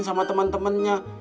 sama temen temennya